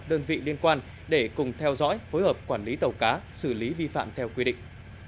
đơn vị liên quan để cùng theo dõi phối hợp quản lý tàu cá xử lý vi phạm theo quy định